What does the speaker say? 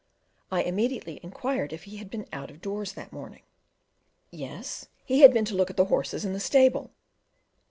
I immediately inquired if he had been out of doors that morning? Yes, he had been to look at the horses in the stable.